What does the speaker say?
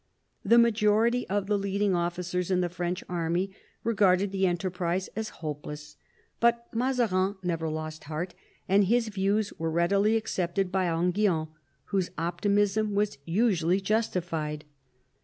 The majority of the leading ofl&cers in the French army regarded the enterprise as hopeless, but Mazarin never lost heart, and his views were readily accepted by Enghien, whose optimism was usually justified.